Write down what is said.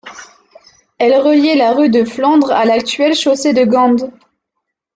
Elle reliait la rue de Flandre à l'actuelle chaussée de Gand.